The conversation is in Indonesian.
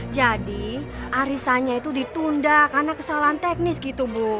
jadi arisannya itu ditunda karena kesalahan teknis gitu bu